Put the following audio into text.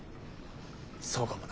そうかもな。